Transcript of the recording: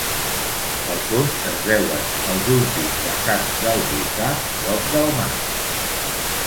Al fons, es veuen els últims vessants del volcà prop del mar.